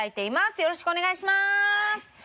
よろしくお願いします。